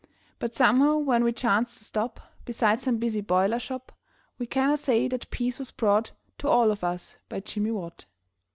But, somehow, when we chanced to stop Beside some busy boiler shop, We cannot say that peace was brought To all of us by Jimmy Watt.